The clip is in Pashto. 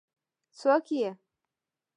څوک يې؟